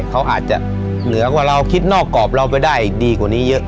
เขาอาจจะเหนือกว่าเราคิดนอกกรอบเราไปได้ดีกว่านี้เยอะ